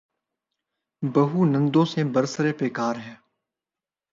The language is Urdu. بہو نندوں سے برسر پیکار ہے۔